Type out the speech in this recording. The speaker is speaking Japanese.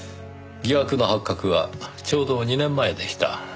疑惑の発覚はちょうど２年前でした。